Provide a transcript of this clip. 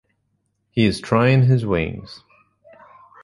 He is trying his wings.